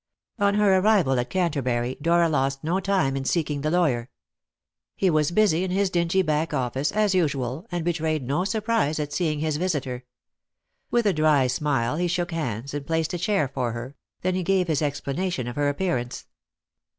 On her arrival at Canterbury, Dora lost no time in seeking the lawyer. He was busy in his dingy back office as usual, and betrayed no surprise at seeing his visitor. With a dry smile he shook hands, and placed a chair for her, then he gave his explanation of her appearance.